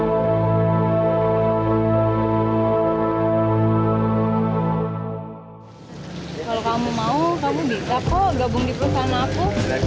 kalau kamu mau kamu bisa kok gabung di perusahaan aku